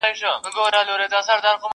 ستا په زلفو کي اثیر را سره خاندي-